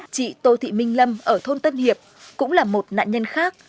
chị tô thị minh lâm ở thôn tân hiệp cũng là một nạn nhân khác